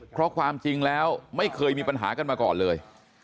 เพราะความจริงแล้วไม่เคยมีปัญหากันมาก่อนเลย